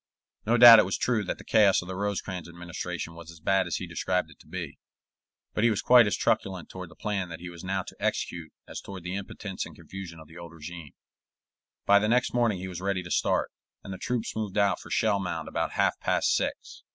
No doubt it was true that the chaos of the Rosecrans administration was as bad as he described it to be, but he was quite as truculent toward the plan that he was now to execute as toward the impotence and confusion of the old régime. By the next morning he was ready to start, and the troops moved out for Shellmound about half past six.